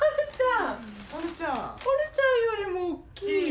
あるちゃんよりも大きい。